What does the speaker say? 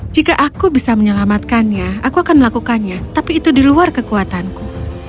jika aku bisa menyelamatkannya aku akan melakukannya tapi itu di luar kekuatanku